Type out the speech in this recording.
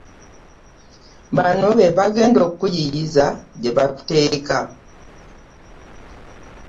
Banno be bagenda okukuyiiyiza gye bakuteeka.